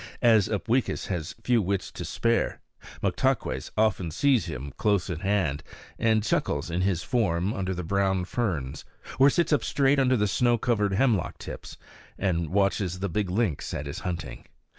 As Upweekis has few wits to spare, Moktaques often sees him close at hand, and chuckles in his form under the brown ferns, or sits up straight under the snow covered hemlock tips, and watches the big lynx at his hunting.